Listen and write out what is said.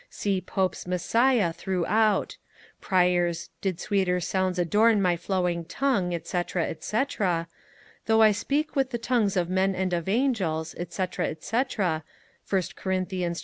See Pope's Messiah throughout; Prior's 'Did sweeter sounds adorn my flowing tongue,' &c. &c. 'Though I speak with the tongues of men and of angels,' &c. &c, 1st Corinthians, ch.